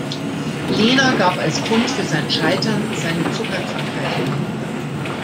Lehner gab als Grund für sein Scheitern seine Zuckerkrankheit an.